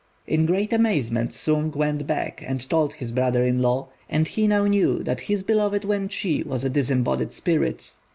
In great amazement Sung went back and told his brother in law, and he now knew that his beloved Wên chi was a disembodied spirit.